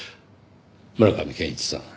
村上健一さん